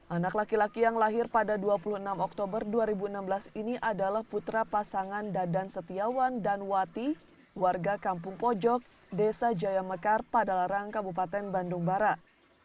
anak laki laki yang lahir pada dua puluh enam oktober dua ribu enam belas ini adalah putra pasangan dadan setiawan dan wati warga kampung pojok desa jaya mekar padalarang kabupaten bandung barat